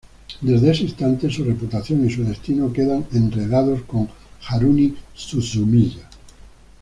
Desde ese instante, su reputación y su destino quedan enredados con Haruhi Suzumiya.